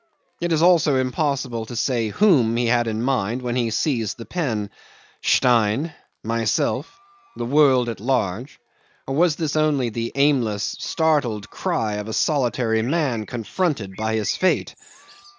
It is also impossible to say whom he had in his mind when he seized the pen: Stein myself the world at large or was this only the aimless startled cry of a solitary man confronted by his fate?